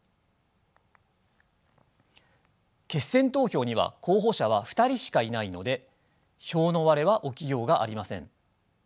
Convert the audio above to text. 決選投票には候補者は２人しかいないので票の割れは起きようがありません。